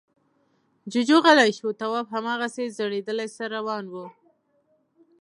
جُوجُو غلی شو. تواب هماغسې ځړېدلی سر روان و.